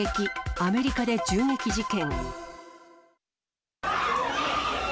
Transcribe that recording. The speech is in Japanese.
アメリカで銃撃事件。